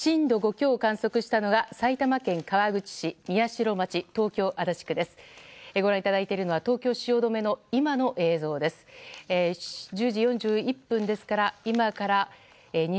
震度５強を観測したのが埼玉県川口市、宮代町東京・足立区です。